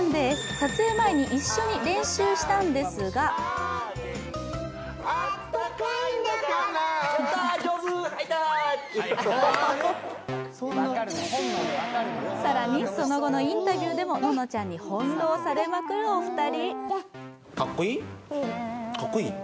撮影前に一緒に練習したんですが更にその後のインタビューでもののちゃんに翻弄されまくるお二人。